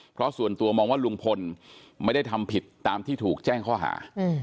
เพราะส่วนตัวมองว่าลุงพลไม่ได้ทำผิดตามที่ถูกแจ้งข้อหา